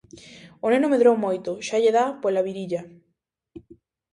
O neno medrou moito, xa lle dá pola virilla.